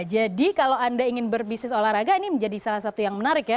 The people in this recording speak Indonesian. jadi kalau anda ingin berbisnis olahraga ini menjadi salah satu topik yang paling sering dibahas